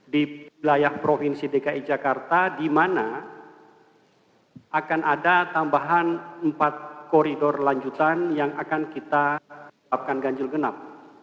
di wilayah provinsi dki jakarta di mana akan ada tambahan empat koridor lanjutan yang akan kita lakukan ganjil genap